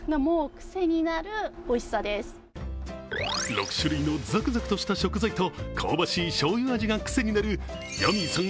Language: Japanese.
６種類のざくざくとした食材と香ばしい醤油味が癖になるヤミーさん